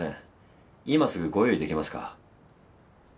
今すぐご用意できますか？